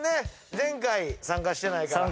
前回参加してないから。